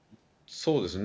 そうですね。